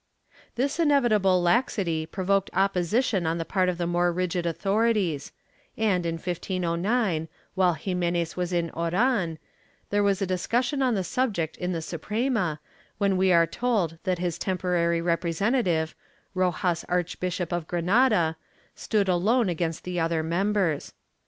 ^ This inevitable laxity provoked opposition on the part of the more rigid authorities and, in 1509, while Ximenes was in Oran, there was a discussion on the subject in the Suprema, when we are told that his temporary representative, Rojas Archbishop of Granada, stood alone against the other members.